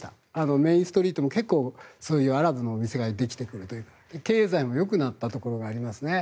メインストリートも結構そういうアラブの店ができてきて経済もよくなったところがありますね。